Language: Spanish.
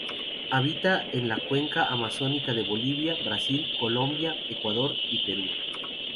Habita en la cuenca amazónica de Bolivia, Brasil, Colombia, Ecuador y Perú.